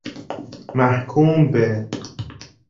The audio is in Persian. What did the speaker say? محکوم به